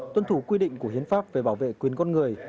tuân thủ quy định của hiến pháp về bảo vệ quyền con người